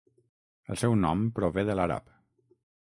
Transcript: El seu nom prové de l'àrab.